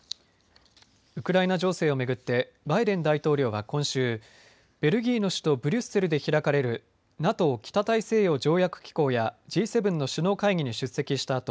ウクライナ情勢を巡ってバイデン大統領は今週、ベルギーの首都ブリュッセルで開かれるＮＡＴＯ・北大西洋条約機構やＧ７の首脳会議に出席した